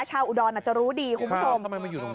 อุดรอาจจะรู้ดีคุณผู้ชม